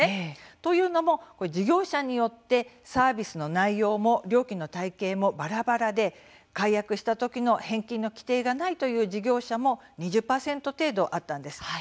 というのも事業者によってサービスの内容も料金の体系もばらばらで解約した時の返金の規定がないという事業者も２０％程度あったんです。